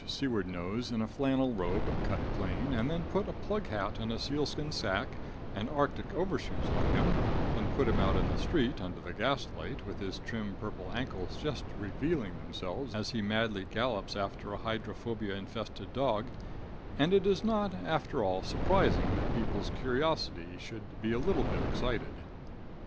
Seward nose, in a flannel robe, cut plain, and then put a plug hat and a sealskin sacque and Arctic overshoes on him, and put him out in the street, under the gaslight, with his trim, purple ankles just revealing themselves as he madly gallops after a hydrophobia infested dog, and it is not, after all, surprising that people's curiosity should be a little bit excited.